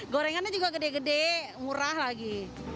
gorengannya juga gede gede murah lagi